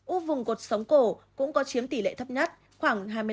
u vùng cột sống cổ cũng có chiếm tỷ lệ thấp nhất khoảng hai mươi năm